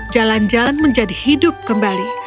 jalan jalan menjadi hidup kembali